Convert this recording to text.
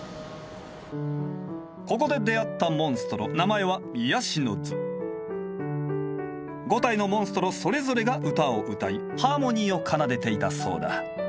ここで出会ったモンストロ名前は５体のモンストロそれぞれが歌を歌いハーモニーを奏でていたそうだ。